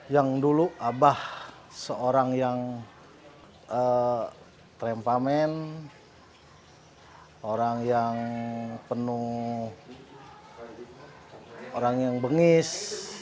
yang dulu abah seorang yang terempamen orang yang penuh orang yang bengis